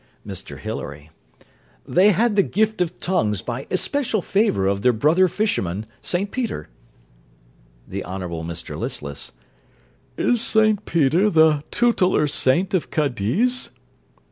MR HILARY They had the gift of tongues by especial favour of their brother fisherman, Saint Peter. THE HONOURABLE MR LISTLESS Is Saint Peter the tutelar saint of Cadiz?